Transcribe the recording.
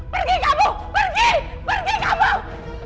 pergi kamu pergi pergi kamu